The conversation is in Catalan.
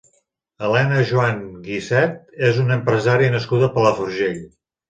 Elena Joan Guisset és una empresària nascuda a Palafrugell.